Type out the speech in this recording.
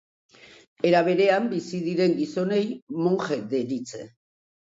Era berean bizi diren gizonei monje deritze.